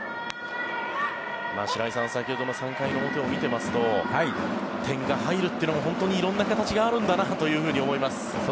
白井さん、先ほどの３回の表を見てますと点が入るというのも本当に色々な形があるんだなと思います。